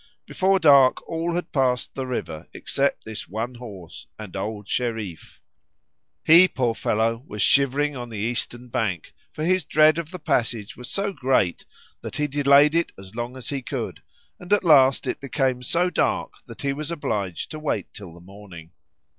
Before dark all had passed the river except this one horse and old Shereef. He, poor fellow, was shivering on the eastern bank, for his dread of the passage was so great, that he delayed it as long as he could, and at last it became so dark that he was obliged to wait till the morning.